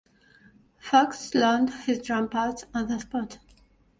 Fox learned his drum parts on the spot.